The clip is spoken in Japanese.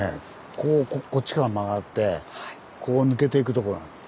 こうこっちから曲がってこう抜けていくところ。